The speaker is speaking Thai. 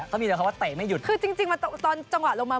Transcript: คือจริงตอนจังหวะลงมา